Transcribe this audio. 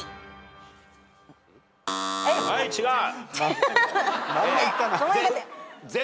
はい違う。